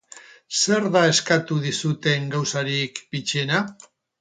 Zer da eskatu dizuten gauzarik bitxiena?